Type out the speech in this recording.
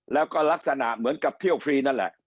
แล้วก็ลักษณะเหมือนกับเที่ยวฟรีนั่นแหละ